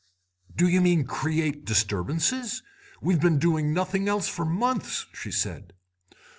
"'Do you mean create disturbances? We've been doing nothing else for months,' she said.